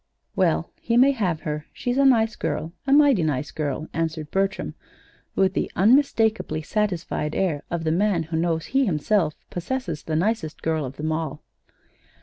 "Well, he may have her. She's a nice girl a mighty nice girl," answered Bertram, with the unmistakably satisfied air of the man who knows he himself possesses the nicest girl of them all.